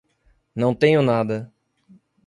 Não tenho nada.